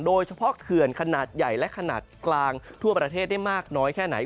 เขื่อนขนาดใหญ่และขนาดกลางทั่วประเทศได้มากน้อยแค่ไหน